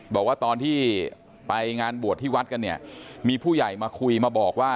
บอกว่าตอนที่ไปงานบวชที่วัดกันเนี่ยมีผู้ใหญ่มาคุยมาบอกว่า